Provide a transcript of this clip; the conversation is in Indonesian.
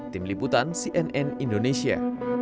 tim liputan cnn indonesia